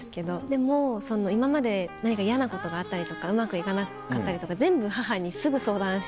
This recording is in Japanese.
でも今まで何か嫌なことがあったりとかうまく行かなかったりとか全部母にすぐ相談。